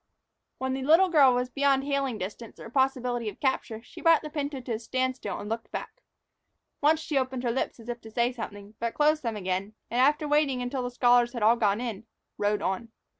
When the little girl was beyond hailing distance or possibility of capture, she brought the pinto to a standstill and looked back. Once she opened her lips as if to say something, but closed them again, and, after waiting until the scholars had all gone in, rode on.